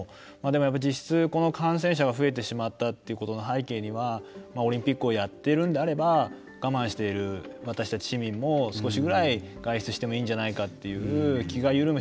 実質、感染者が増えてしまったということの背景にはオリンピックをやってるんであれば我慢している私たち市民も少しぐらい外出してもいいんじゃないかっていう気が緩む